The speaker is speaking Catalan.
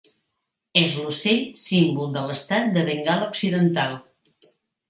És l'ocell símbol de l'estat de Bengala Occidental.